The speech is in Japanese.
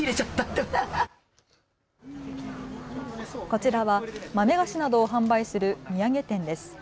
こちらは豆菓子などを販売する土産店です。